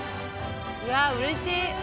うわー、うれしい。